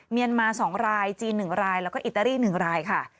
เมียนมา๒รายจีน๑รายแล้วก็อิตาลี๑รายค่ะ